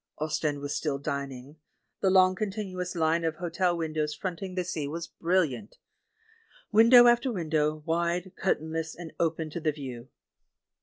Ostend was still dining. The long continuous line of hotel windows fronting the sea was brilhant. Window after window, wide, curtainless, and open to the view.